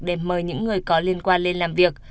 để mời những người có liên quan lên làm việc